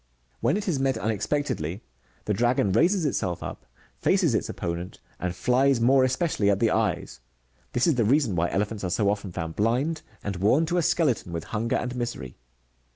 'Wlien it is met unexpectedly, the dragon raises itself up, faces its opponent, and files more especially at the eyes ; this is the reason why elephants are so often found blind, and worn to a skeleton ;tvith hunger and misery.